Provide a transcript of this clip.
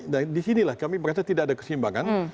dan di sinilah kami merasa tidak ada kesimbangan